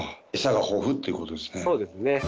餌が豊富っていうことですね。